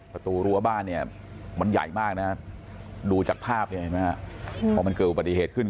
ประตูรัวบ้านมันใหญ่มากดูจากภาพเพราะมันเกิดปฏิเหตุขึ้น